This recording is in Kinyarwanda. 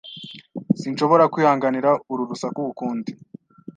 Sinshobora kwihanganira uru rusaku ukundi.